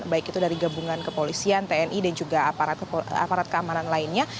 baik itu dari gabungan kepolisian tni dan juga aparat keamanan lainnya